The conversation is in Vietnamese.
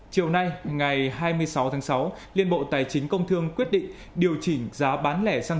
chiều nay ngày hai mươi sáu tháng sáu liên bộ tài chính công thương quyết định điều chỉnh giá bán lẻ xăng